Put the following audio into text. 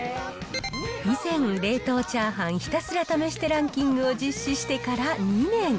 以前、冷凍チャーハンひたすら試してランキングを実施してから２年。